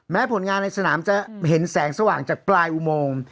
ผลงานในสนามจะเห็นแสงสว่างจากปลายอุโมง